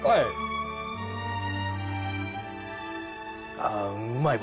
あうまいわ。